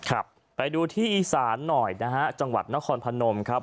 ครับไปดูที่อีสานหน่อยนะฮะจังหวัดนครพนมครับ